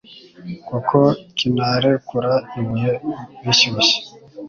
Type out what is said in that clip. kuko kinarekura ibibuye bishyushye